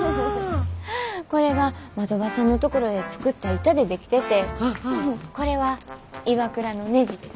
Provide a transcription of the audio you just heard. これが的場さんのところで作った板で出来ててこれはＩＷＡＫＵＲＡのねじです。